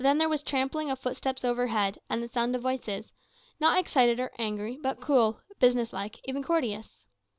Then there was trampling of footsteps overhead, and the sound of voices, not excited or angry, but cool, business like, even courteous.